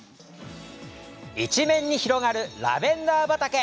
一面に広がるラベンダー畑。